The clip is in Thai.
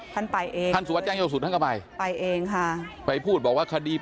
ท่านไปเองท่านสุวัสแจ้งเจ้าสุดท่านก็ไปไปเองค่ะไปพูดบอกว่าคดี